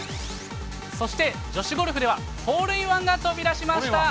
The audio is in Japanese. そして、女子ゴルフでは、ホールインワンが飛び出しました。